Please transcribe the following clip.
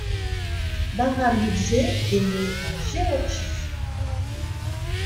Baramidzé est né en Géorgie.